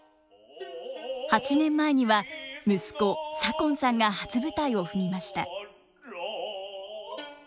８年前には息子左近さんが初舞台を踏みました。